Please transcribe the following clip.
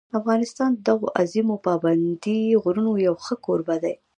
افغانستان د دغو عظیمو پابندي غرونو یو ښه کوربه دی.